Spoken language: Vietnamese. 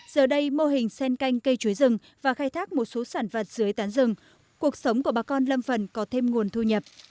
giờ đây mô hình sen canh cây chuối rừng và khai thác một số sản vật dưới tán rừng cuộc sống của bà con lâm phần có thêm nguồn thu nhập